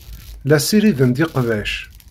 La ssirident iqbac.